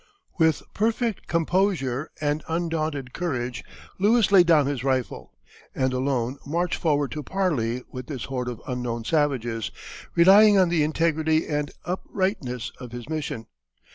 With perfect composure and undaunted courage Lewis laid down his rifle, and alone marched forward to parley with this horde of unknown savages, relying on the integrity and uprightness of his mission.